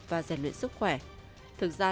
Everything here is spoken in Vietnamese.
và giàn luyện sức khỏe thực ra